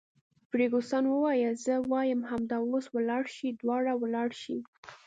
فرګوسن وویل: زه وایم همدا اوس ولاړ شئ، دواړه ولاړ شئ.